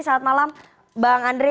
selamat malam bang andre